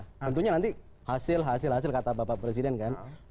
tentunya nanti hasil hasil kata bapak presiden kan